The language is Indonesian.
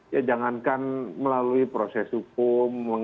ya jangankan melalui proses hukum